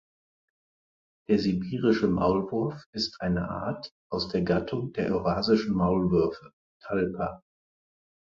Der Sibirische Maulwurf ist eine Art aus der Gattung der Eurasischen Maulwürfe ("Talpa").